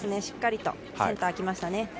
しっかりとセンター来ましたね。